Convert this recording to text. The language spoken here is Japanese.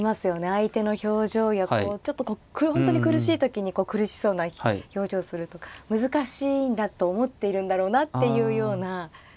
相手の表情やこうちょっと本当に苦しい時に苦しそうな表情するとか難しいんだと思っているんだろうなっていうような。